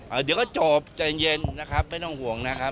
ร่าจะก็จบใจเย็นนะครับไม่ต้องห่วงนะครับ